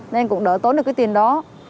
nên cũng đỡ tốn được cái tiền đó